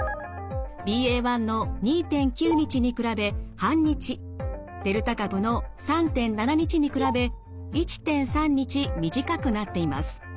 ＢＡ．１の２．９日に比べ半日デルタ株の３．７日に比べ１．３日短くなっています。